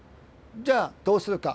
じゃあどうするか。